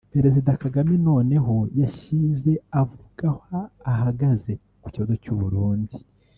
Perezida Kagame noneho yashyize avuga aho ahagaze ku kibazo cy’u Burundi